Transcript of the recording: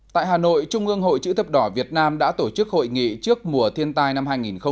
tại hà nội trung ương hội chữ thập đỏ việt nam đã tổ chức hội nghị trước mùa thiên tai năm hai nghìn một mươi chín